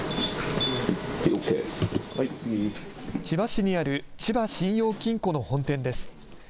千葉市にある千葉信用金庫の本店です。